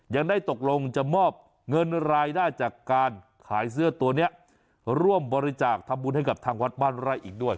ยังได้ตกลงจะมอบเงินรายได้จากการขายเสื้อตัวนี้ร่วมบริจาคทำบุญให้กับทางวัดบ้านไร่อีกด้วย